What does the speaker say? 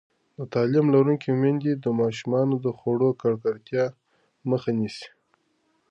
تعلیم لرونکې میندې د ماشومانو د خوړو ککړتیا مخه نیسي.